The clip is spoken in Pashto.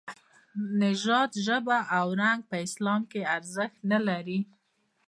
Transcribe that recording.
نژاد، ژبه او رنګ په اسلام کې ارزښت نه لري.